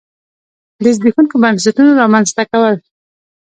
د زبېښونکو بنسټونو رامنځته کول.